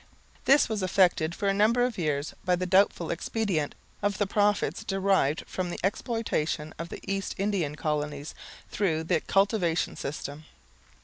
This was effected for a number of years by the doubtful expedient of the profits derived from the exploitation of the East Indian colonies through the "Cultivation System."